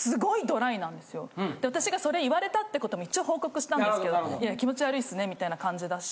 私がそれ言われたってことを一応報告したんですけどいや気持ち悪いっすねみたいな感じだし。